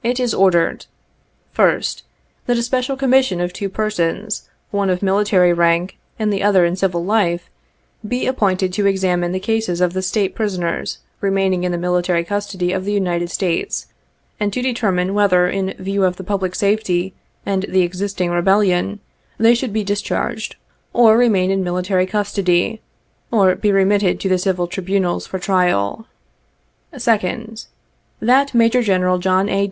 It is ordered: —' f First — That a special commission of two persons, — one of mili tary rank and the other in civil life, — be appointed to examine the cases of the State prisoners remaining in the military custody of the United States, and to determine whether, in view of the public safety and the existing rebellion, they should be discharged, or remain in military custody, or be remitted to the civil tribunals for trial. " Second — That Major General John A.